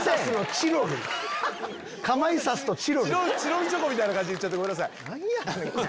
チロルチョコみたいな感じで言っちゃってごめんなさい。